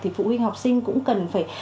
thì phụ huynh học sinh cũng cần phải